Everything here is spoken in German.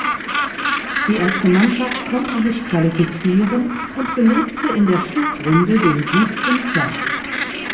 Die Erste Mannschaft konnte sich qualifizieren und belegte in der Schlussrunde den siebten Platz.